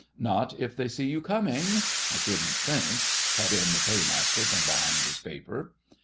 "Not if they see you coming, I shouldn't think," cut in the Paymaster from behind his paper.